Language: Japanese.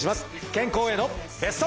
健康へのベスト。